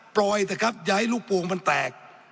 ปล่อยแต่ครับอย่าให้ลูกปลูกมันแตก